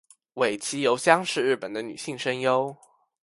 尾崎由香是日本的女性声优。